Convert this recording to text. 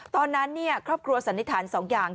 ตอนนั้นครอบครัวสันนิษฐาน๒อย่าง